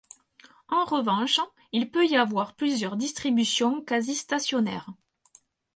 En revanche, il peut y avoir plusieurs distributions quasi-stationnaires.